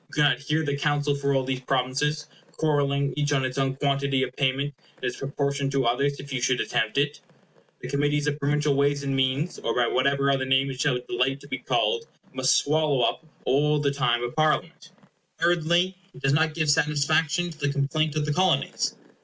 You cannot hear the counsel for all these provinces, quarrelling each on its own quantity of payment, and its proportion to others If you should attempt it, the Committee of Provincial Ways and Means, or by whatever other name it will delight to be called, must swallow up all the time of Parliament. Thirdly, it does not give satisfaction to the complaint of the Colonies.